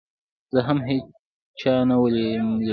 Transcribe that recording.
زه هم هېچا نه وم ليدلى.